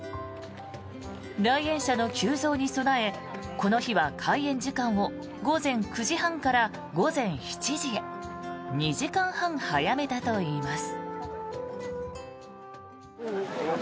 来園者の急増に備えこの日は開園時間を午前９時半から午前７時へ２時間半早めたといいます。